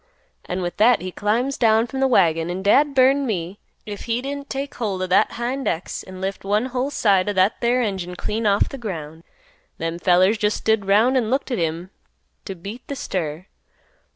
An' with that he climbs down from th' wagon, an' dad burn me if he didn't take holt o' that hind ex an' lift one whole side o' that there engine clean off th' ground. Them fellers jest stood 'round an' looked at him t' beat th' stir.